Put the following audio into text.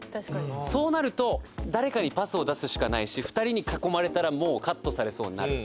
そうなると誰かにパスを出すしかないし２人に囲まれたらもう、カットされそうになる。